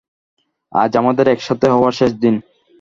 আজ আমাদের একসাথে হওয়ার শেষ দিন।